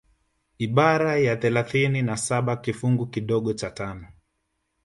Ibara ya thalathini na saba kifungu kidogo cha tano